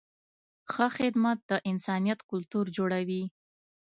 ښه خدمت د انسانیت کلتور جوړوي.